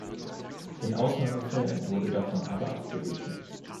In Ausnahmefällen wurde davon aber abgewichen.